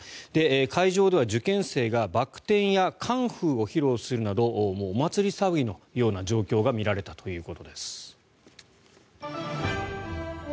会場では受験生が、バック転やカンフーを披露するなどお祭り騒ぎのような状況が見られたということです。